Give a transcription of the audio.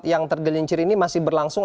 yang tergelincir ini masih berlangsung